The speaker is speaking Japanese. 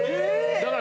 だから。